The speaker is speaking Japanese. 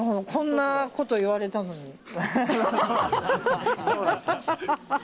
こんなこと言われたのに。